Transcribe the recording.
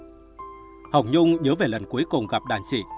phi nhung cuối cùng gặp đàn sĩ